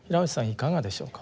いかがでしょうか？